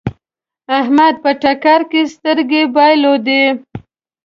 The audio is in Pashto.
احمد په ټکر کې سترګې بايلودې.